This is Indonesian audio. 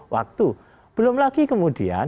waktu belum lagi kemudian